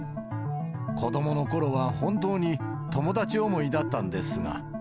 子どものころは本当に友達思いだったんですが。